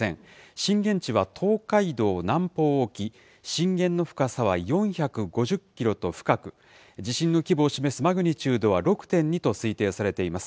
震源地は東海道南方沖、震源の深さは４５０キロと深く、地震の規模を示すマグニチュードは６．２と推定されています。